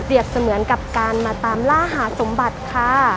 เสมือนกับการมาตามล่าหาสมบัติค่ะ